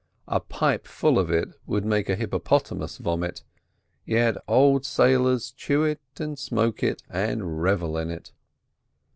A pipe full of it would make a hippopotamus vomit, yet old sailors chew it and smoke it and revel in it.